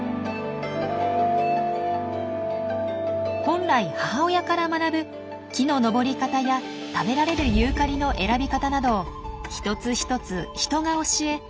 本来母親から学ぶ木の登り方や食べられるユーカリの選び方などを一つ一つ人が教え